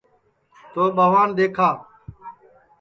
تو ٻوان دؔیکھا کہ سیورا کا گھرا کے مہم ہوں کام اُم کرے